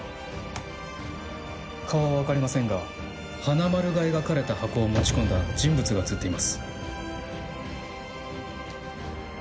顔は分かりませんが「はなまる」が描かれた箱を持ち込んだ人物が映っています。